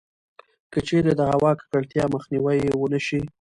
کـچـېرې د هوا کـکړتيا مخنيـوی يـې ونـه شـي٫